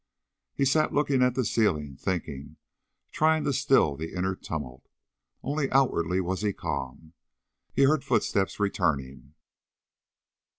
He sat looking at the ceiling, thinking, trying to still the inner tumult. Only outwardly was he calm. He heard footsteps returning.